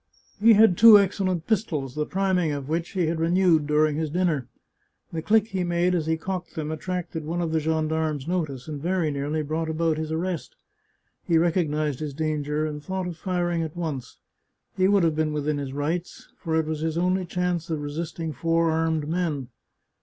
He had two excellent pistols, the priming of which he had renewed during his dinner; the click he made as he cocked them attracted one of the gendarme's notice, and very nearly brought about his arrest. He recognised his danger, and thought of firing at once. He would have been within his rights, for it was his only chance of resisting four armed men.